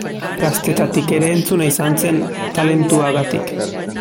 Gaztetatik ere entzuna izan zen talentuagatik.